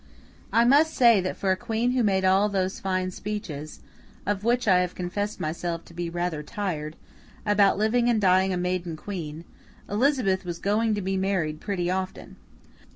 I must say that for a Queen who made all those fine speeches, of which I have confessed myself to be rather tired, about living and dying a Maiden Queen, Elizabeth was 'going' to be married pretty often.